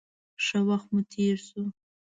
ښه وخت مو تېر شو.